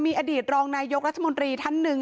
มีอดีตรองนายกรัฐมนตรีท่านหนึ่ง